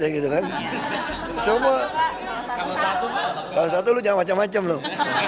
kalau satu lu jangan macam macam loh